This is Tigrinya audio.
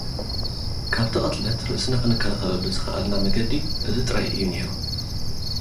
ካብቲ ቕትለት ርእስና ክንከላኸለሉ ዝኸኣልና መገዲ እዚ ጥራይ እዩ ነይሩ።